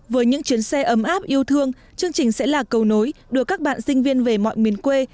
với những chuyến xe ấm áp yêu thương chương trình sẽ là cầu nối đưa các bạn sinh viên về mọi miền quê